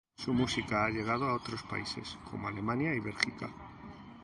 Su música ha llegado a otros paises como Alemania y Belgica.